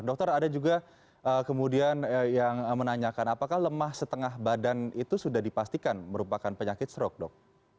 dokter ada juga kemudian yang menanyakan apakah lemah setengah badan itu sudah dipastikan merupakan penyakit stroke dok